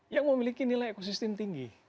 yang memiliki nilai ekosistem tinggi